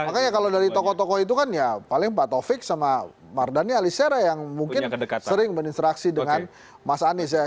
makanya kalau dari tokoh tokoh itu kan ya paling pak taufik sama mardhani alisera yang mungkin sering berinteraksi dengan mas anies ya